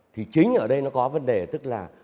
thì chính ở đây nó có vấn đề tức là